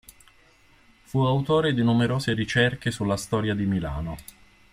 Fu autore di numerose ricerche sulla storia di Milano.